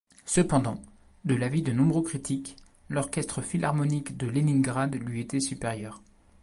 Cependant, de l'avis de nombreux critiques, l'Orchestre philharmonique de Leningrad lui était supérieur.